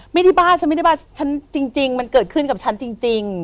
ไม่ได้บ้าฉันไม่ได้บ้าฉันจริงมันเกิดขึ้นกับฉันจริง